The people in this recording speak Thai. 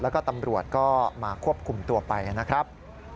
แล้วก็ตำรวจก็มาควบคุมตัวไปนะครับ